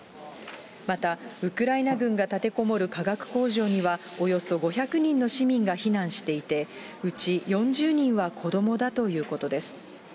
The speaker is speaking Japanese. また、ウクライナ軍が立てこもる化学工場にはおよそ５００人の市民が避難していて、うち４０人は子どもだということです。